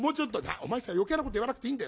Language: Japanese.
「お前さん余計なこと言わなくていいんだよ。